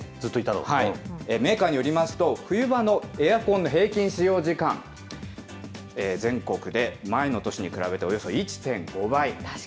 メーカーによりますと、冬場のエアコンの平均使用時間、全国で前の年に比べておよそ１．５倍。